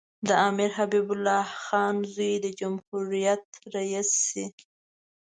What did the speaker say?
د امیر حبیب الله خان زوی د جمهوریت رییس شي.